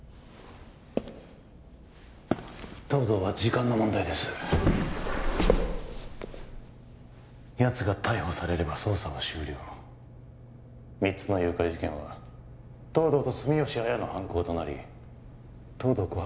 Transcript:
東堂は時間の問題ですやつが逮捕されれば捜査は終了三つの誘拐事件は東堂と住吉亜矢の犯行となり東堂心